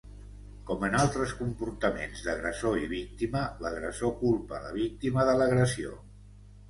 Com en altres comportaments d'agressor i víctima, l'agressor culpa a la víctima de l'agressió.